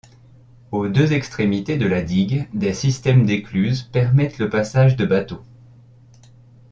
Aux deux extrémités de la digue, des systèmes d'écluses permettent le passage de bateaux.